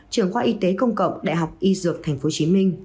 trường khoa y tế công cộng đại học y dược tp hcm